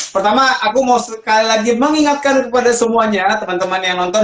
pertama aku mau sekali lagi mengingatkan kepada semuanya teman teman yang nonton